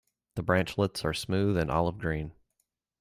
The branchlets are smooth and olive-green.